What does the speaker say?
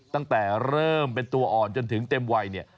ตั้งแต่เริ่มเป็นตัวอ่อนจนถึงเต็มวัยเนี่ย